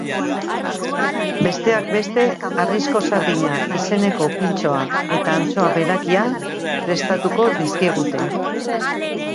Besteak beste, harrizko sardina izeneko pintxoa eta antxoa belakia prestatuko dizkigute.